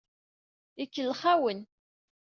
Ikellex-awen.